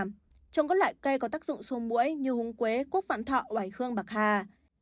trông các loại cây có tác dụng xô mũi như húng quế cốt vạn thọ quảy khương bạc hà